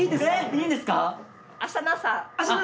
いいんですか？